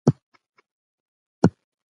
یو نامعلومه غږ د ده د ذهن پردې وښورولې.